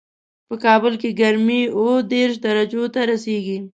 په کابل کې ګرمي اووه دېش درجو ته رسېږي